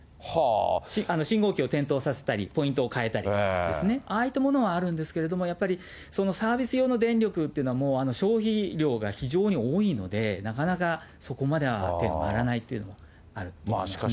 信号機を点灯させたり、ポイントを変えたりですね、ああいったものはあるんですけど、やっぱりそのサービス用の電力というのは、もう消費量が非常に多いので、なかなかそこまでは手が回らないというのがあると思いますね。